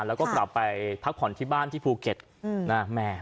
แล้วก็กลับไปพักผ่อนที่บ้านที่ภูเก็ตนะแม่